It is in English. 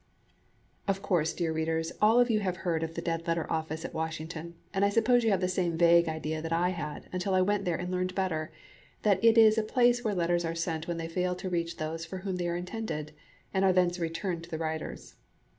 Of course, dear readers, all of you have heard of the Dead letter Office at Washington, and I suppose you have the same vague idea that I had until I went there and learned better that it is a place where letters are sent when they fail to reach those for whom they are intended, and are thence returned to the writers.